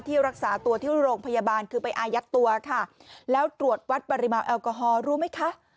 รักษาตัวที่โรงพยาบาลคือไปอายัดตัวค่ะแล้วตรวจวัดปริมาณแอลกอฮอลรู้ไหมคะ